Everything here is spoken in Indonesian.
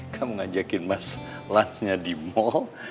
kamu ngajakin mas lunchnya di mall